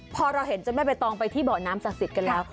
พอเราเห็นเจ้าแม่ใบตองไปที่เบาะน้ำศักดิ์สิทธิ์กันแล้ว